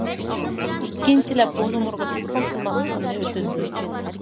ئىككىنچىلەپ بۇ نومۇرغا تېلېفون قىلماسلىقىمنى ئۆتۈندى.